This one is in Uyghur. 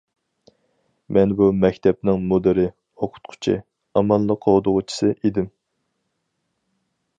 مەن بۇ مەكتەپنىڭ «مۇدىرى» ، «ئوقۇتقۇچى» ، «ئامانلىق قوغدىغۇچىسى» ئىدىم.